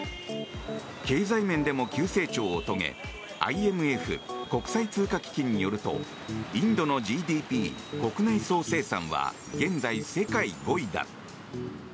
経済面でも急成長を遂げＩＭＦ・国際通貨基金によるとインドのＧＤＰ・国内総生産は現在、世界５位だ。